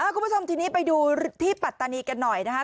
คุณผู้ชมทีนี้ไปดูที่ปัตตานีกันหน่อยนะคะ